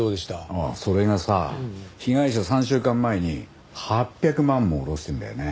ああそれがさ被害者３週間前に８００万も下ろしてるんだよね。